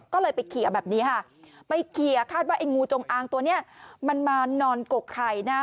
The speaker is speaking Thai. ก็เลยไปเคลียร์แบบนี้ค่ะไปเคลียร์คาดว่าไอ้งูจงอางตัวเนี้ยมันมานอนกกไข่นะ